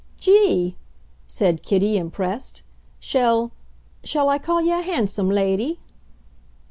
"Gee!" said Kitty, impressed. "Shall shall I call ye a hansom, lady?"